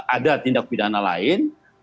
ada tindak pidana lainnya ya